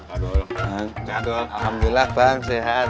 alhamdulillah bang sehat